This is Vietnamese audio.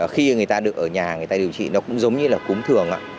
khi người ta được ở nhà điều trị nó cũng giống như là cúng thường